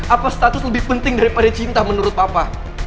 apa status lebih penting daripada cinta menurut papa